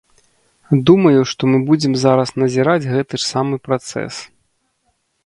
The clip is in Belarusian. Думаю, што мы будзем зараз назіраць гэты ж самы працэс.